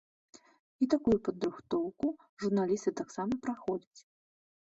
І такую падрыхтоўку журналісты таксама праходзяць.